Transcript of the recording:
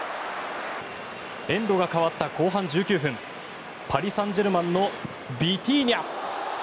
エンドが変わった後半１９分パリ・サンジェルマンのビティーニャ！